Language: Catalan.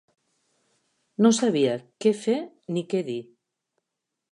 No sabia què fer ni què dir